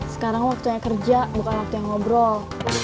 sekarang waktunya kerja bukan waktu yang ngobrol